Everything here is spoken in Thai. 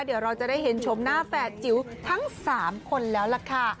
เดี๋ยวเราจะได้เห็นชมหน้าแฝดจิ๋วทั้ง๓คนแล้วล่ะค่ะ